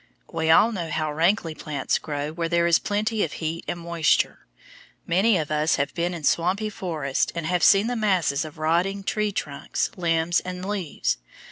We all know how rankly plants grow where there is plenty of heat and moisture. Many of us have been in swampy forests and have seen the masses of rotting tree trunks, limbs, and leaves.